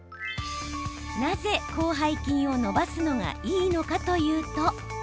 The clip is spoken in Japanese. なぜ、広背筋を伸ばすといいのかというと。